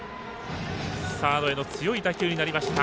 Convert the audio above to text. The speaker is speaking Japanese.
サードへの強い打球になりました。